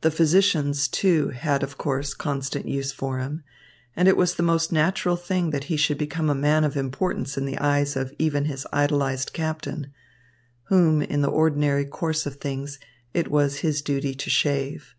The physicians, too, had, of course, constant use for him; and it was the most natural thing that he should become a man of importance in the eyes of even his idolised captain, whom, in the ordinary course of things it was his duty to shave.